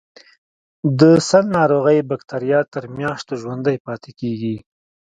د سل ناروغۍ بکټریا تر میاشتو ژوندي پاتې کیږي.